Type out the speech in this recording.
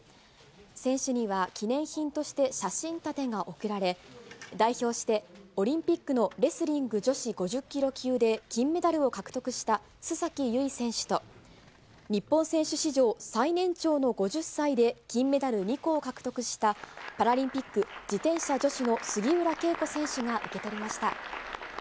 選手には記念品として写真立てが贈られ、代表してオリンピックのレスリング女子５０キロ級で金メダルを獲得した須崎優衣選手と、日本選手史上最年長の５０歳で金メダル２個を獲得した、パラリンピック自転車女子の杉浦佳子選手が受け取りました。